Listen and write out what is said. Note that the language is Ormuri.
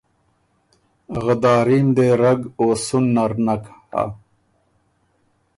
غداري م دې رګ او سُن نر نک هۀ۔